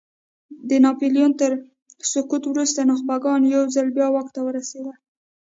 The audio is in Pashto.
د ناپیلیون تر سقوط وروسته نخبګان یو ځل بیا واک ته ورسېدل.